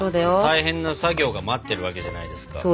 大変な作業が待っているわけじゃないですか。